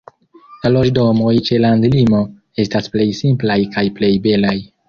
La loĝdomoj ĉe landlimo estas plej simplaj kaj plej belaj.